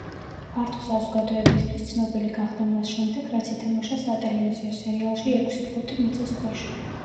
ფართო საზოგადოებისთვის ცნობილი გახდა მას შემდეგ რაც ითამაშა სატელევიზიო სერიალში „ექვსი ფუტი მიწის ქვეშ“.